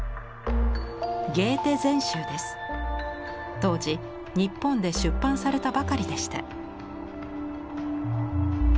当時日本で出版されたばかりでした。